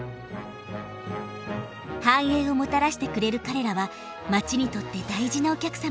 繁栄をもたらしてくれる彼らは街にとって大事なお客様。